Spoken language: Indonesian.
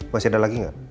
masih ada lagi ga